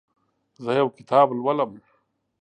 زه یو کتاب لولم.